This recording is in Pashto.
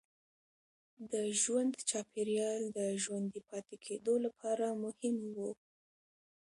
د ژوند چاپېریال د ژوندي پاتې کېدو لپاره مهم و.